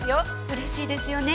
嬉しいですよね。